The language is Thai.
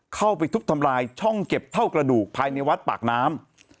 เข้าไปทุบทำลายช่องเก็บเท่ากระดูกภายในวัดปากน้ำ